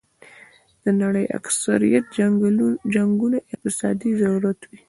د نړۍ اکثریت جنګونه اقتصادي ضرورت وي.